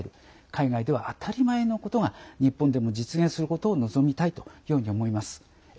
海外では当たり前のことが日本でも実現することを望みたいというように思います。